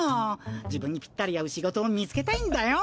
自分にピッタリ合う仕事を見つけたいんだよ。